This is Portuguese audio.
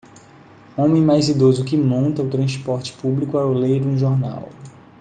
Homem mais idoso que monta o transporte público ao ler um jornal.